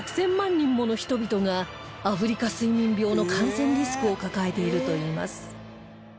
人もの人々がアフリカ睡眠病の感染リスクを抱えているといいます